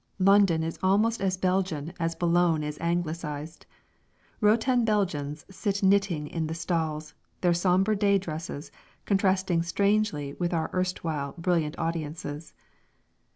London is almost as Belgian as Boulogne is anglicised. Rotund Belgians sit knitting in the stalls, their sombre day dresses contrasting strangely with our erstwhile brilliant audiences.